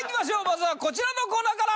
まずはこちらのコーナーから。